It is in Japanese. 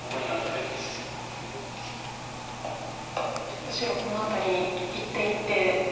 ちょっと白この辺り一手一手。